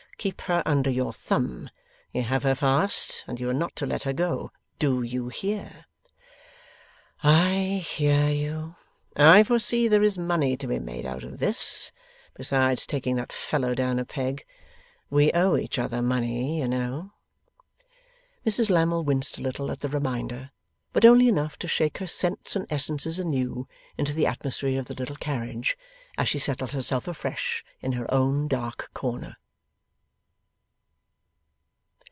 Keep her under your thumb. You have her fast, and you are not to let her go. Do you hear?' 'I hear you.' 'I foresee there is money to be made out of this, besides taking that fellow down a peg. We owe each other money, you know.' Mrs Lammle winced a little at the reminder, but only enough to shake her scents and essences anew into the atmosphere of the little carriage, as she settled herself afresh in her own dark corner.